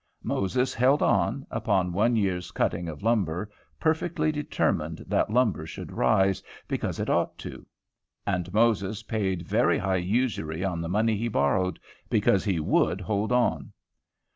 Moses held on, upon one year's cutting of lumber, perfectly determined that lumber should rise, because it ought to; and Moses paid very high usury on the money he borrowed, because he would hold on.